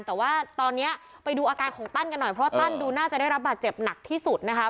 แต่ว่าตอนนี้ไปดูอาการของตั้นกันหน่อยเพราะว่าตั้นดูน่าจะได้รับบาดเจ็บหนักที่สุดนะคะ